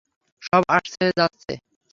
সব আসছে যাচ্ছে।